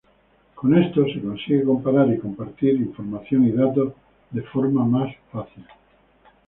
Con esto, se consigue comparar y compartir información y datos de forma más fácil.